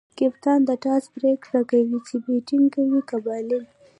کپتانان د ټاس پرېکړه کوي، چي بيټینګ کوي؛ که بالینګ.